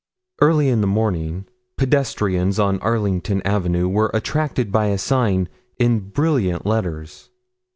Early in the morning pedestrians on Arlington Avenue were attracted by a sign in brilliant letters.